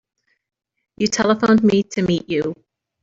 You telephoned me to meet you.